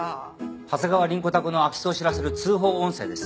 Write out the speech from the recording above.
長谷川凛子宅の空き巣を知らせる通報音声です。